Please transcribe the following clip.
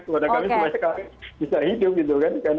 kepada kami semuanya bisa hidup gitu kan